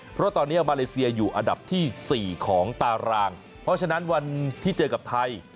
เพราะตอนนี้มาเลเซียอยู่อันดับที่๔ของตารางเพราะฉะนั้นวันที่เจอกับไทย